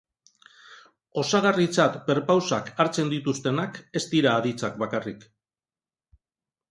Osagarritzat perpausak hartzen dituztenak ez dira aditzak bakarrik.